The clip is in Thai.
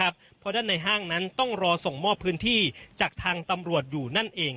เพราะด้านในห้างนั้นต้องรอส่งมอบพื้นที่จากทางตำรวจอยู่นั่นเอง